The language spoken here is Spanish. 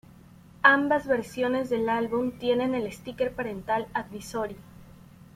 Ambas versiones del álbum tienen el sticker Parental Advisory.